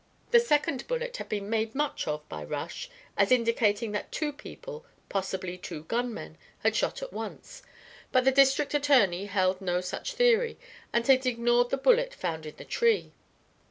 The second bullet had been made much of by Rush, as indicating that two people, possibly gun men, had shot at once, but the district attorney held no such theory and had ignored the bullet found in the tree.